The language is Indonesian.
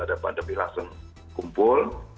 ada pandemi langsung kumpul